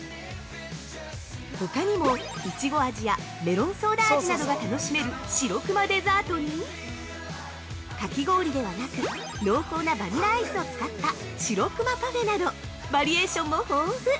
◆ほかにも、いちご味やメロンソーダ味などが楽しめる「白くまデザート」にかき氷ではなく、濃厚なバニラアイスを使った「白くまパフェ」などバリエーションも豊富！